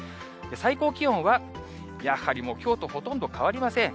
最高気温は、やはりもうきょうとほとんど変わりません。